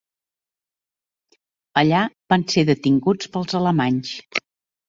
Allà van ser detinguts pels alemanys.